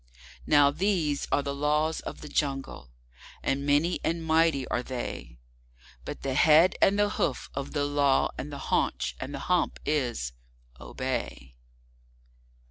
Now these are the Laws of the Jungle, and many and mighty are they; But the head and the hoof of the Law and the haunch and the hump is—Obey!